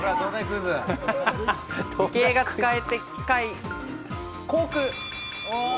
理系が使えて、機械、航空。